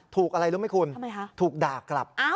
ถูกอะไรรู้ไหมคุณถูกด่ากลับ